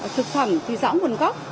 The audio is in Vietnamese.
thực phẩm tùy rõ nguồn gốc